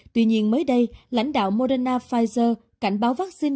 tuy nhiên mới đây lãnh đạo moderna pfizer cảnh báo vaccine